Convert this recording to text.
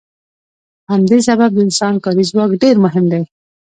په همدې سبب د انسان کاري ځواک ډیر مهم دی.